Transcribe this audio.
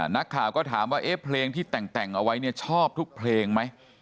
นักข่าวก็ถามว่าเอ๊ะเพลงที่แต่งเอาไว้เนี่ยชอบทุกเพลงไหม